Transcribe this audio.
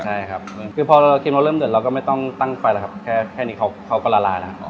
ใช่ครับคือพอเราคิมเราเริ่มเดือดเราก็ไม่ต้องตั้งไฟแล้วครับแค่นี้เขาก็ละลายแล้วครับ